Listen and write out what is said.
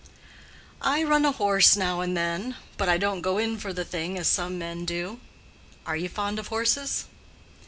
"I run a horse now and then; but I don't go in for the thing as some men do. Are you fond of horses?"